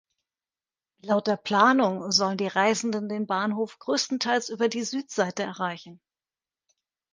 Laut der Planung sollen die Reisenden den Bahnhof größtenteils über die Südseite erreichen.